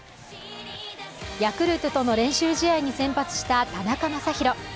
ヤクルトとの練習試合に先発した田中将大。